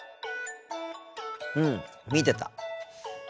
うん見てた。